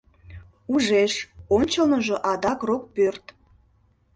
Ужеш: ончылныжо адак рокпӧрт